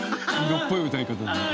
色っぽい歌い方だな。